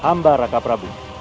hamba raka prabu